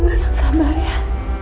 mama yang sabar ya